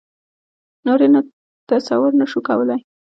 نور یې نو تصور نه شو کولای.